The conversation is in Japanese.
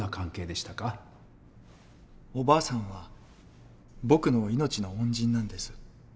おばあさんは僕の命の恩人なんです。